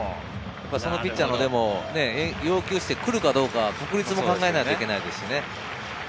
ピッチャーの要求してくるかどうか、確率も考えないといけないですしね。